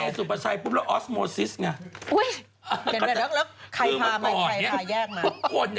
เอสุปชัยหมด